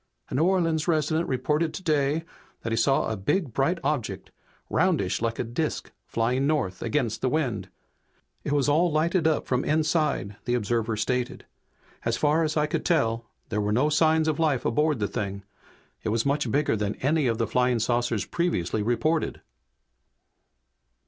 "A New Orleans resident reported today that he saw a big bright object 'roundish like a disk' flying north, against the wind. 'It was all lighted up from inside!' the observer stated. 'As far as I could tell there were no signs of life aboard the thing. It was much bigger than any of the flying saucers previously reported!'"